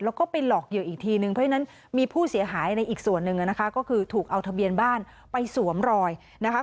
แล้วก็ไปหลอกเหยื่ออีกทีนึงเพราะฉะนั้นมีผู้เสียหายในอีกส่วนหนึ่งนะคะก็คือถูกเอาทะเบียนบ้านไปสวมรอยนะคะ